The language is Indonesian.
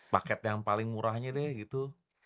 paket yang paling murahnya deh gitu